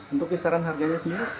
untuk kisaran harganya